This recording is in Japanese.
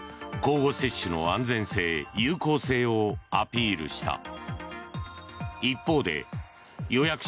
交互接種の安全性、有効性をアピールした。